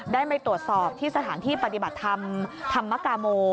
ได้ไปตรวจสอบที่สถานที่ปฏิบัติธรรมธรรมกาโม